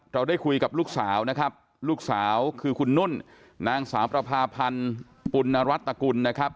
เราได้คุยกับลูกสาวนะครับลูกสาวคือคุณนุ่นนางสาวประพาพันธ์ปุณรัฐตกุลนะครับ